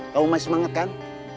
kamu masih semangat kan